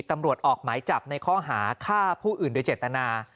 ตำรวจออกหมายจับในข้อหาฆ่าผู้อื่นโดยเจตนา